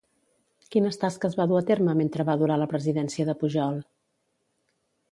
Quines tasques va dur a terme mentre va durar la presidència de Pujol?